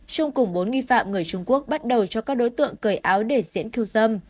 trung cùng bốn nghi phạm người trung quốc bắt đầu cho các đối tượng cởi áo để diễn kiều dâm